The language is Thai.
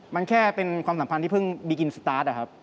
มันแค่เป็นความสัมพันธ์ที่เพิ่งเริ่มกัน